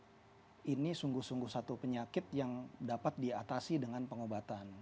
jadi kita harus menangguh satu penyakit yang dapat diatasi dengan pengobatan